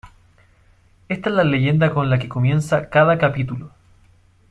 Esta es la leyenda con la que comienza cada capítulo.